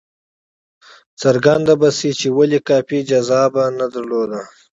څرګنده به شي چې ولې کافي جاذبه نه درلوده.